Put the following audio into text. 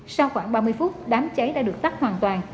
sau khoảng ba mươi phút đám cháy đã được tắt hoàn toàn